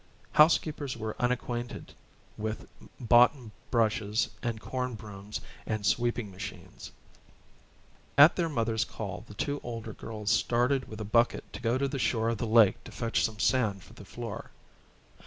Housekeepers were unacquainted with boughten brushes and corn brooms and sweeping machines. At their mother's call the two older girls started with a bucket to go to the shore of the lake to fetch some sand for the floor.